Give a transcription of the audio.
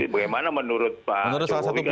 bagaimana menurut pak jokowi bisa beda